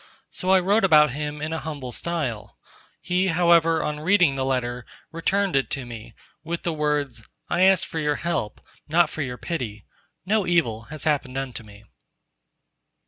So I wrote about him in a humble style. He however on reading the letter returned it to me, with the words: "I asked for your help, not for your pity. No evil has happened unto me."